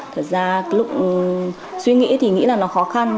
thật ra lúc suy nghĩ thì nghĩ là nó khó khăn